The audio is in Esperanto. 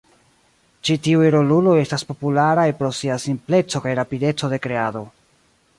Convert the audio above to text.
Ĉi tiuj roluloj estas popularaj pro sia simpleco kaj rapideco de kreado.